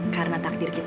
karena takdir kita